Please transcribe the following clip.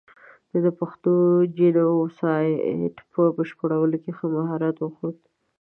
ده د پښتون جینو سایډ په بشپړولو کې ښه مهارت وښود.